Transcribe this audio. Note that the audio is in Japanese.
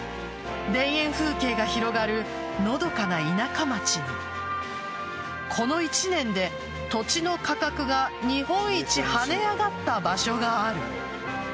田園風景が広がるのどかな田舎街にこの１年で、土地の価額が日本一跳ね上がった場所がある。